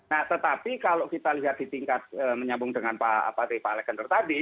nah tetapi kalau kita lihat di tingkat menyambung dengan pak alexander tadi